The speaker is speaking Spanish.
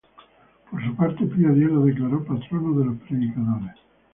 Por su parte, Pío X lo declaró patrono de los predicadores.